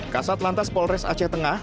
kasat lantas polres aceh tengah